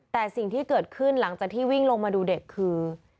แต่สิ่งที่เกิดขึ้นหลังจากที่วิ่งลงมาดูเด็กคือ